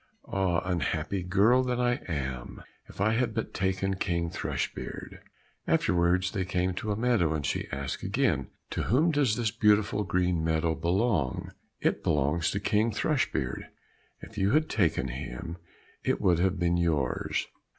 "Ah, unhappy girl that I am, if I had but taken King Thrushbeard!" Afterwards they came to a meadow, and she asked again, "To whom does this beautiful green meadow belong?" "It belongs to King Thrushbeard; if you had taken him, it would have been yours."